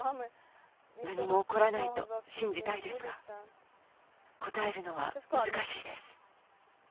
何も起こらないと信じたいですが、答えるのは難しいです。